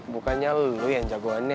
bukannya lo yang jagoannya